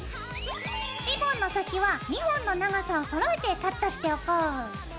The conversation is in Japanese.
リボンの先は２本の長さをそろえてカットしておこう。